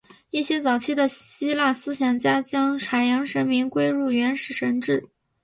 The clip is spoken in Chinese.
一些早期的希腊思想家将海洋神明归入原始神只。